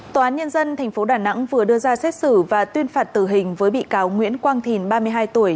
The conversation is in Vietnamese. tòa án nhân dân tp đà nẵng vừa đưa ra xét xử và tuyên phạt tử hình với bị cáo nguyễn quang thìn ba mươi hai tuổi